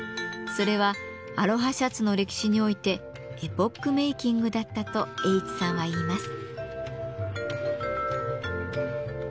それはアロハシャツの歴史においてエポックメーキングだったと英知さんはいいます。